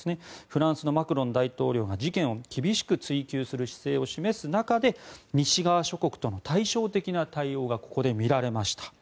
フランスのマクロン大統領が事件を厳しく追及する姿勢を示す中で西側諸国との対照的な対応がここで見られました。